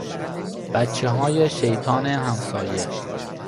بچه های شیطان همسایه